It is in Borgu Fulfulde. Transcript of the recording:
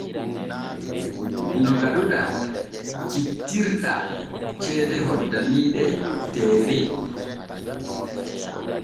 No gaɗuɗaa jittirɗaa ceede hoddaniiɗe Deere.